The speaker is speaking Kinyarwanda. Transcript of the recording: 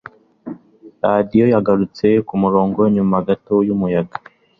radiyo yagarutse kumurongo nyuma gato yumuyaga